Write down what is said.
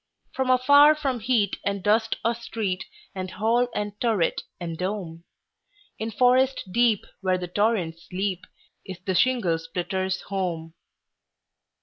For afar from heat and dust of street, And hall and turret, and dome, In forest deep, where the torrents leap, Is the shingle splitter's home.